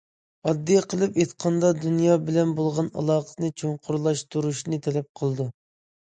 ئاددىي قىلىپ ئېيتقاندا، دۇنيا بىلەن بولغان ئالاقىسىنى چوڭقۇرلاشتۇرۇشنى تەلەپ قىلىدۇ.